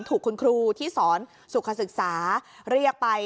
ถูกคุณครูที่สอนสุขศึกษาเรียกไป